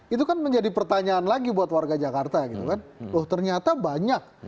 itu kan menjadi pertanyaan lagi buat warga jakarta ternyata banyak